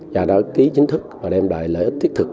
và báo ký chính thức và đem lại lợi ích thiết thực